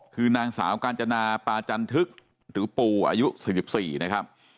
คือนางสาวกาญจนาปาจันทึกหรือปูอายุ๔๔นะครับ